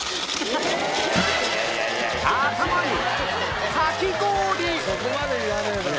頭にそこまでいらねえだろ。